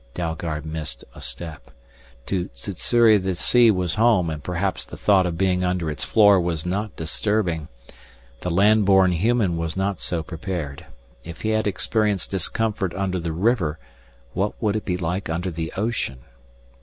Dalgard missed a step. To Sssuri the sea was home and perhaps the thought of being under its floor was not disturbing. The land born human was not so prepared. If he had experienced discomfort under the river, what would it be like under the ocean?